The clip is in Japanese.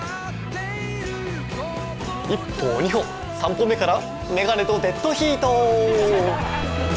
一歩二歩三歩目からめがねとデッドヒート